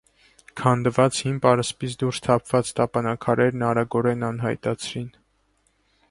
Քանդված հին պարսպից դուրս թափված տապանաքարերն արագորեն անհայտացրին։